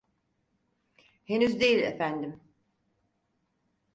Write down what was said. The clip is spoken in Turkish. Henüz değil, efendim.